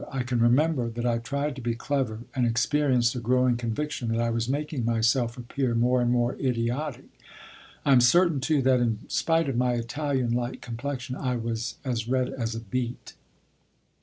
I can remember that I tried to be clever, and experienced a growing conviction that I was making myself appear more and more idiotic. I am certain, too, that, in spite of my Italian like complexion, I was as red as a beet.